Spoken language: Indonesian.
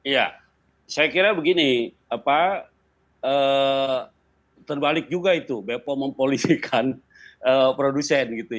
ya saya kira begini terbalik juga itu bepom mempolisikan produsen